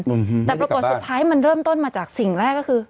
อืมแต่ปรากฏสุดท้ายมันเริ่มต้นมาจากสิ่งแรกก็คือ